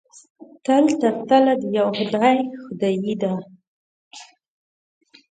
تل تر تله د یوه خدای خدایي ده.